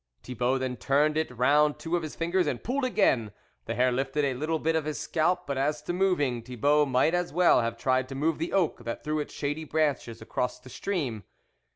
Thibault then turned t round two of his fingers and pulled again ; the hair lifted a little bit of his scalp, but as to moving, Thibault might as well have tried to move the oak that threw its shady branches across the stream.